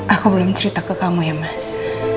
aku belum cerita ke kamu ya mas